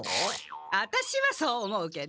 アタシはそう思うけど。